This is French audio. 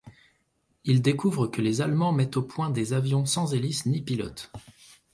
Ils découvrent que les Allemands mettent au point des avions sans hélice ni pilote.